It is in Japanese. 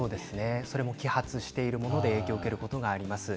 揮発しているので影響を受けるということがあります。